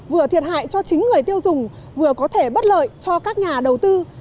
vừa thiệt hại cho chính người tiêu dùng vừa có thể bất lợi cho các nhà đầu tư